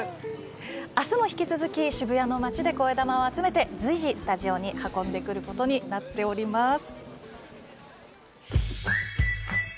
あすも引き続き渋谷の街でこえだまを集めて随時、スタジオに運んでくることになっています。